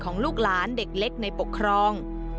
ลูกหลานเด็กเล็กในปกครอง